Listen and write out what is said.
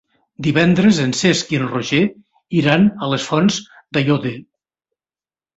Divendres en Cesc i en Roger iran a les Fonts d'Aiòder.